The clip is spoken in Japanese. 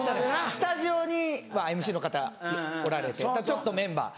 スタジオにはＭＣの方おられてちょっとメンバー。